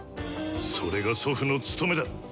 それが祖父の務めだ！